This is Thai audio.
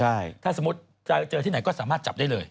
ถ้าสมมุติจะเจอที่ไหนก็สามารถจับได้เลย